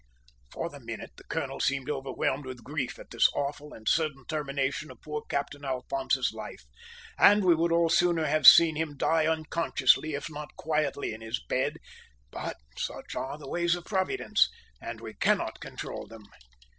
For the minute the colonel seemed overwhelmed with grief at this awful and sudden termination of poor Captain Alphonse's life, and we would all sooner have seen him die unconsciously if not quietly, in his bed; but such are the ways of Providence, and we cannot control them!